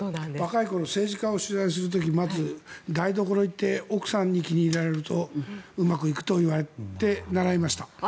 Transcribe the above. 若い頃政治家を取材する時にまず、台所に行って奥さんに気に入られるとうまくいくといわれて習いました。